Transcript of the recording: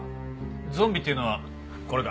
ゾンビっていうのはこれか？